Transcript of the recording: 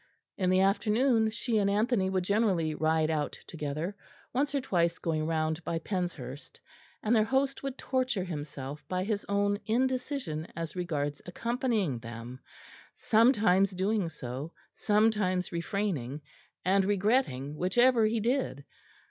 In the afternoon she and Anthony would generally ride out together, once or twice going round by Penshurst, and their host would torture himself by his own indecision as regards accompanying them; sometimes doing so, sometimes refraining, and regretting whichever he did.